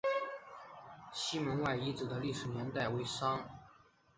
西门外遗址的历史年代为商。